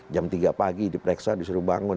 jam tiga pagi diperiksa disuruh bangun